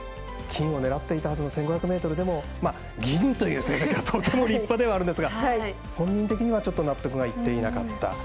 金を狙っていたはずの１５００ｍでも銀という成績はとても立派ではあるんですが本人的には納得がいっていなかった。